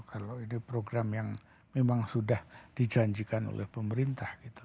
kalau ini program yang memang sudah dijanjikan oleh pemerintah gitu